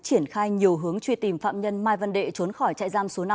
triển khai nhiều hướng truy tìm phạm nhân mai văn đệ trốn khỏi trại giam số năm